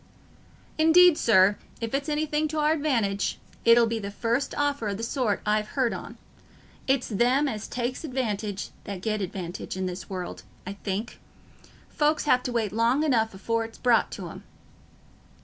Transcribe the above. "Indeed, sir, if it's anything t' our advantage, it'll be the first offer o' the sort I've heared on. It's them as take advantage that get advantage i' this world, I think: folks have to wait long enough afore it's brought to 'em."